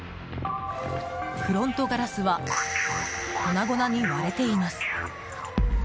フロントガラスは粉々に割れています。